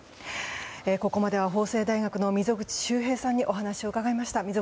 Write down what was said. ここまでは法政大学の溝口修平さんにお話を伺いました。